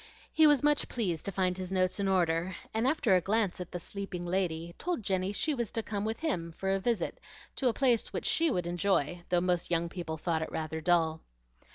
He was much pleased to find his notes in order, and after a glance at the sleeping lady, told Jenny she was to come with him for a visit to a place which SHE would enjoy, though most young people thought it rather dull.